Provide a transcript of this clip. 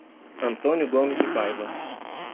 Antônio Gomes de Paiva